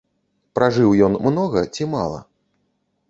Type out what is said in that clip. Пражыў ён многа ці мала?